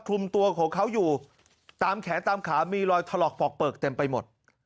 คลุมตัวของเขาอยู่ตามแขนตามขามีรอยถลอกปอกเปลือกเต็มไปหมด